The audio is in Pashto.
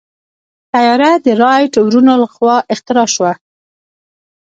طیاره د رائټ وروڼو لخوا اختراع شوه.